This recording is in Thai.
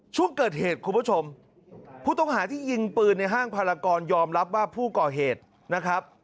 ช่วงเกิดเหตุคุณผู้ชมผู้ต้องหาที่ยิงปืนในห้างพารากรยอมรับว่าผู้ก่อเหตุนะครับ